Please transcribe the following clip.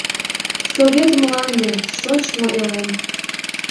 Совет мланде, шочмо элем